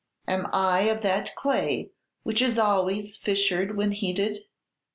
Am I of that clay which is always fissured when heated?